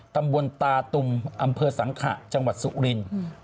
ตำบลตาตุมอำเภอสังขะจังหวัดสุรินทร์